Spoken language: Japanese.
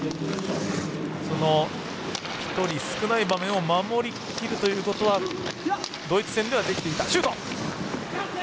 １人少ない場面を守り切るということはドイツ戦ではできていた。